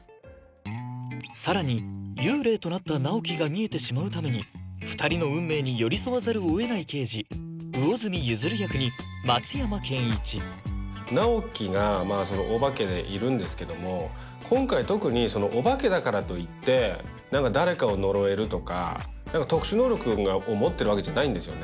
さらに幽霊となった直木が見えてしまうために２人の運命に寄り添わざるをえない刑事魚住譲役に松山ケンイチ直木がまあそのオバケでいるんですけども今回特にオバケだからといって何か誰かを呪えるとか何か特殊能力を持ってるわけじゃないんですよね